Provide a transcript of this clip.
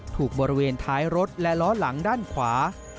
บริเวณท้ายรถและล้อหลังด้านขวา